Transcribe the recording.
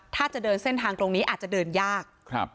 ถ้าจะเดินเส้นทางตรงนี้อาจจะเดินยาก